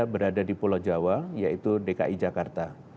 berada di pulau jawa yaitu dki jakarta